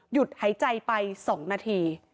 หายใจไป๒นาที